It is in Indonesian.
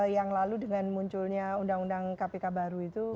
yang lalu dengan munculnya undang undang kpk baru itu